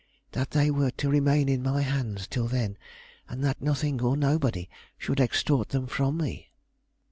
That they were to remain in my hands till then, and that nothing or nobody should extort them from me."